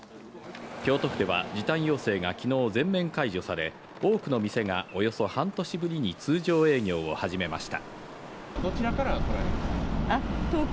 京都府では時短要請が昨日、全面解除され、多くの店がおよそ半年ぶりに通常営業を始めました。